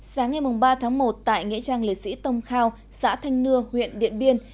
sáng ngày ba tháng một tại nghệ trang liệt sĩ tông khao xã thanh nưa huyện điện biên